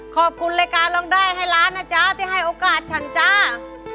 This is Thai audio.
ขอบคุณรายการร้องได้ให้ล้านนะจ๊ะที่ให้โอกาสฉันจ้า